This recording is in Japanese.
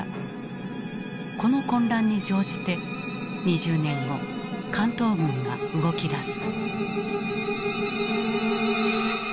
この混乱に乗じて２０年後関東軍が動きだす。